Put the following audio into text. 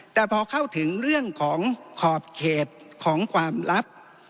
แต่พอเข้าถึงเรื่องของขอบเขตของความลับ